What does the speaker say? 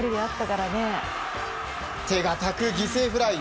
手堅く犠牲フライ。